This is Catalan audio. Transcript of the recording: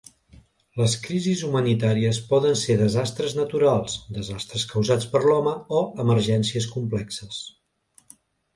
Les crisis humanitàries poden ser desastres naturals, desastres causats per l'home o emergències complexes.